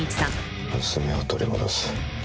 「娘を取り戻す」